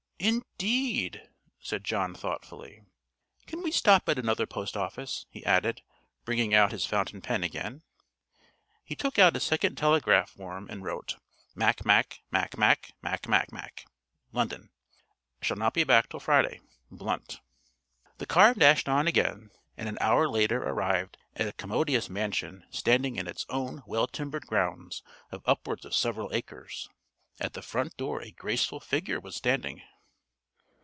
"Indeed?" said John thoughtfully. "Can we stop at another post office?" he added, bringing out his fountain pen again. He took out a second telegraph form and wrote: "Macmacmacmacmac, London. Shall not be back till Friday. Blunt." The car dashed on again, and an hour later arrived at a commodious mansion standing in its own well timbered grounds of upwards of several acres. At the front door a graceful figure was standing.